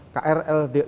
krl sudah ada